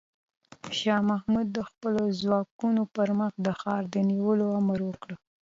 شاه محمود د خپلو ځواکونو پر مخ د ښار د نیولو امر وکړ.